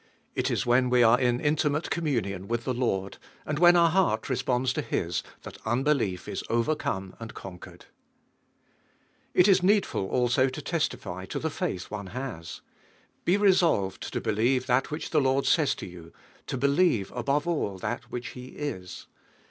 It is when we are ih intimate communion with the Lord, and when our heart responds to His, that unbelief is overcome and con quered. II is needful also to testify to lite faith dm' has. lie resolved (o believe that which i In Lord says to yon, to beiieve above all, that which He is.